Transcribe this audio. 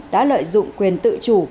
đã lợi dụng quyền tự chủ